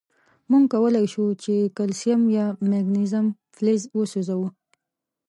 مونږ کولای شو چې کلسیم یا مګنیزیم فلز وسوځوو.